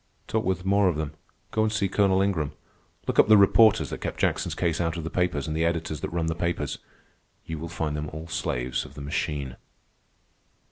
Talk with more of them. Go and see Colonel Ingram. Look up the reporters that kept Jackson's case out of the papers, and the editors that run the papers. You will find them all slaves of the machine."